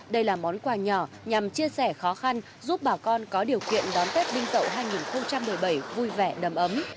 đây là món quà nhỏ nhằm chia sẻ khó khăn giúp bà con có điều kiện đón tết đinh tậu hai nghìn một mươi bảy vui vẻ đầm ấm